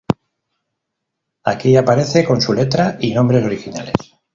Aquí aparece con su letra y nombres originales.